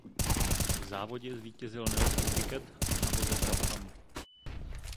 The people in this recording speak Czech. V závodě zvítězil Nelson Piquet na voze Brabham.